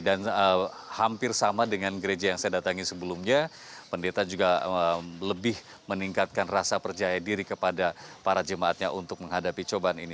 dan hampir sama dengan gereja yang saya datangi sebelumnya pendeta juga lebih meningkatkan rasa perjaya diri kepada para jemaatnya untuk menghadapi cobaan ini